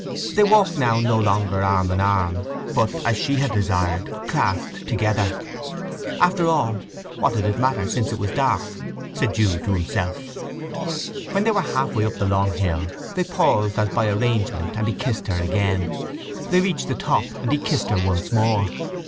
They walked now no longer arm in arm but, as she had desired, clasped together. After all, what did it matter since it was dark, said Jude to himself. When they were half way up the long hill they paused as by arrangement, and he kissed her again. They reached the top, and he kissed her once more.